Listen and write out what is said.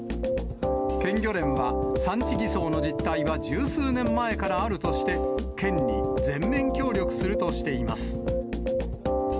県漁連は、産地偽装の実態は十数年前からあるとして、県に全面協力するとしています。